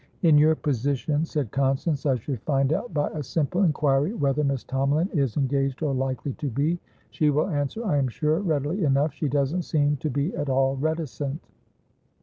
"In your position," said Constance, "I should find out by a simple inquiry whether Miss Tomalin is engaged or likely to be. She will answer, I am sure, readily enough. She doesn't seem to be at all reticent."